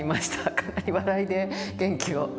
かなり笑いで元気を。